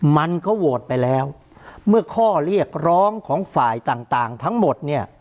มันก็โหวตไปแล้วเมื่อข้อเรียกร้องของฝ่ายต่างต่างทั้งหมดเนี่ย